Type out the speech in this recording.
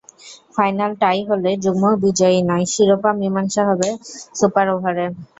Final tie হলে যুগ্ম বিজয়ী নয়, শিরোপা মীমাংসা হবে সুপার ওভারে।